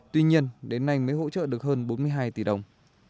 tuy nhiên đến nay mới hỗ trợ được hơn bốn mươi hai tỷ đồng